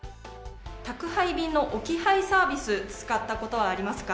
宅配便の置き配サービス使ったことはありますか。